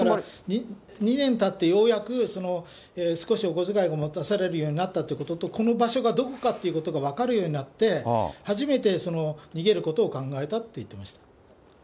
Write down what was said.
だから２年たってようやく少しお小遣いが持たされるようになったことと、この場所がどこかってことが分かるようになって、初めて逃げることを考えたって言ってました。